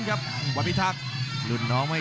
ยังไงยังไง